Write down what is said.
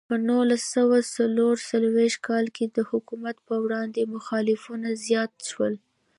په نولس سوه څلور څلوېښت کال کې د حکومت پر وړاندې مخالفتونه زیات شول.